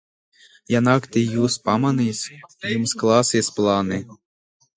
Ja naktī jūs pamanīs, jums klāsies plāni!